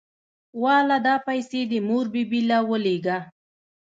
واله دا پيسې دې مور بي بي له ولېږه.